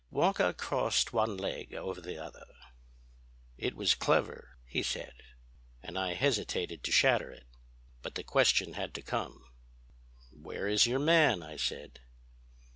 Walker crossed one leg over the other. "It was clever," he said, "and I hesitated to shatter it. But the question had to come. "'Where is your man?' I said.